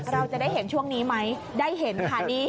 เราจะได้เห็นช่วงนี้ไหมได้เห็นค่ะ